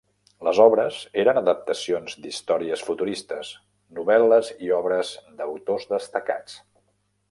Les obres eren adaptacions d'històries futuristes, novel·les i obres d'autors destacats.